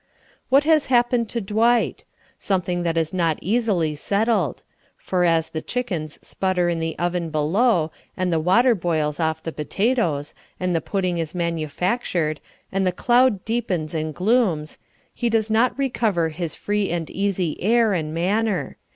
What has happened to Dwight? Something that is not easily settled; for as the chickens sputter in the oven below, and the water boils off the potatoes, and the pudding is manufactured, and the cloud deepens and glooms, he does not recover his free and easy air and manner.